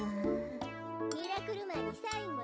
・ミラクルマンにサインもらわなきゃ。